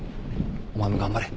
お前も頑張れ。